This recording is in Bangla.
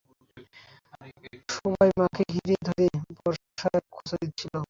সবাই মা-কে ঘিরে ধরে বর্ষার খোঁচা দিচ্ছিল।